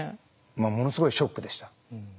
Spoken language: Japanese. ものすごいショックでした。